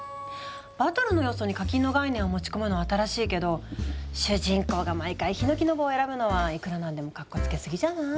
バトルの要素に課金の概念を持ち込むのは新しいけど主人公が毎回ひのきの棒を選ぶのはいくら何でもかっこつけすぎじゃない？